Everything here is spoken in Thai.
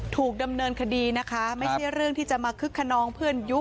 ถูกดำเนินคดีนะคะไม่ใช่เรื่องที่จะมาคึกขนองเพื่อนยุ